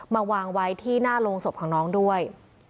มาวางไว้ที่หน้าโรงศพของน้องด้วย